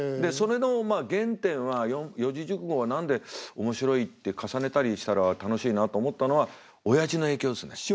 それのまあ原点は四字熟語は何で面白いって重ねたりしたら楽しいなと思ったのはおやじの影響ですね。